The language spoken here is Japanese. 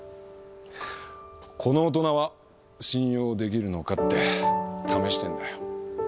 この大人は信用できるのかって試してんだよ。